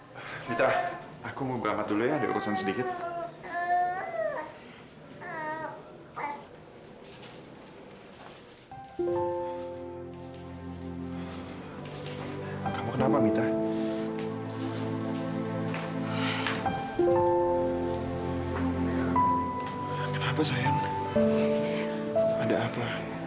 sampai jumpa di video selanjutnya